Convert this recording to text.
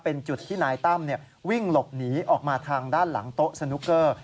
เป็นจุดที่นายตั้มวิ่งหลบหนีออกมาทางด้านหลังโต๊ะสนุกเกอร์